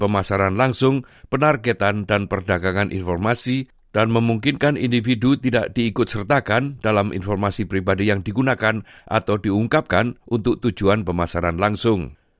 memungkinkan individu tidak diikut sertakan dalam informasi pribadi yang digunakan atau diungkapkan untuk tujuan pemasaran langsung